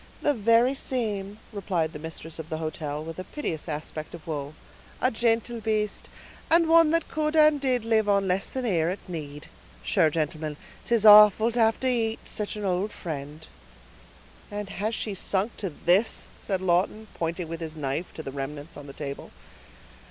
"The very same," replied the mistress of the hotel, with a piteous aspect of woe; "a gentle baste, and one that could and did live on less than air, at need. Sure, gentlemen, 'tis awful to have to eat sitch an ould friend." "And has she sunk to this?" said Lawton, pointing with his knife, to the remnants on the table.